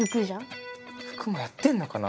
服もやってるのかな？